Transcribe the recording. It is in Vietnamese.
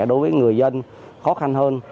đối với người dân khó khăn hơn